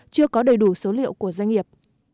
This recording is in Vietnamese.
chưa có đầy đủ số liệu của doanh nghiệp